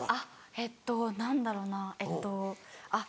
えっと何だろうなえっとあっ。